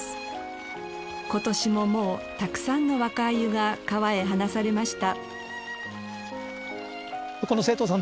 今年ももうたくさんの若鮎が川へ放されました。